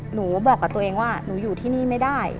หนูบอกกับตัวเองว่าหนูอยู่ที่นี่ไม่ได้